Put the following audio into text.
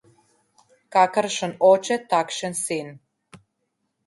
Kakršen oče, takšen sin.